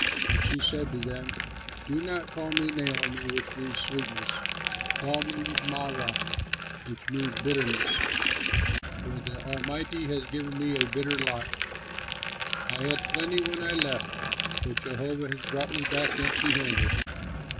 But she said to them, "Do not call me Naomi which means Sweetness: call me Mara which means Bitterness, for the Almighty has given me a bitter lot. I had plenty when I left, but Jehovah has brought me back empty handed.